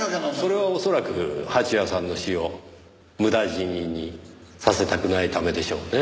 それは恐らく蜂矢さんの死を無駄死ににさせたくないためでしょうねぇ。